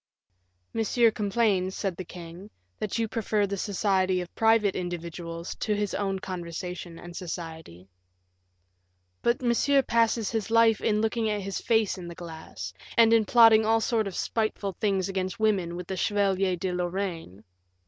"Monsieur complains," said the king, "that you prefer the society of private individuals to his own conversation and society." "But Monsieur passes his life in looking at his face in the glass, and in plotting all sorts of spiteful things against women with the Chevalier de Lorraine."